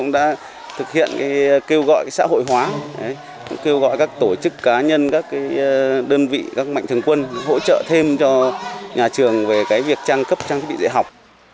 đơn vị các mạnh thường quân hỗ trợ thêm cho nhà trường về việc trang cấp trang thiết bị dạy học